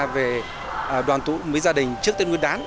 về đoàn tụ với gia đình trước tên nguyên đáng